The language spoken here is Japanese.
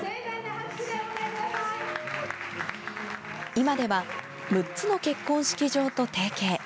今では６つの結婚式場と提携。